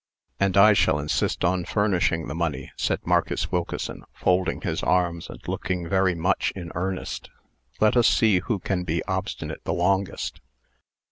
"And I shall insist on furnishing the money," said Marcus Wilkeson, folding his arms, and looking very much in earnest. "Let us see who can be obstinate the longest."